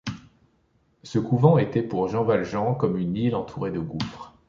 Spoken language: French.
Ce couvent était pour Jean Valjean comme une île entourée de gouffres.